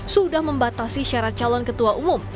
sudah membatasi syarat calon ketua umum